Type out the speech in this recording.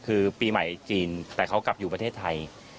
คือปีใหม่จีนแต่เขากลับอยู่ประเทศไทย